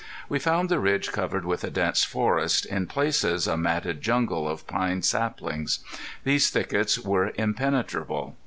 We found the ridge covered with a dense forest, in places a matted jungle of pine saplings. These thickets were impenetrable.